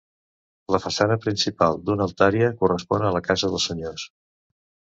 La façana principal, d'una altària, correspon a la casa dels senyors.